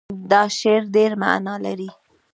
دا شعر ډېر معنا لري.